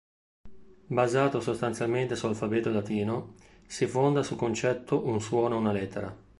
Basato sostanzialmente sull'alfabeto latino, si fonda sul concetto "un suono, una lettera".